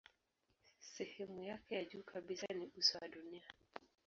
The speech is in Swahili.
Sehemu yake ya juu kabisa ni uso wa dunia.